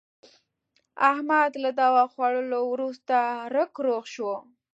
احمد له دوا خوړلو ورسته رک روغ شو.